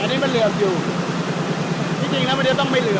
อันนี้มันเหลืออยู่ที่จริงแล้วมันเดี๋ยวต้องมีเหลืออ๋อ